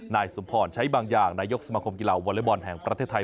นายสมพรใช้บางอย่างนายกสมาคมกีฬาวอเล็กบอลแห่งประเทศไทย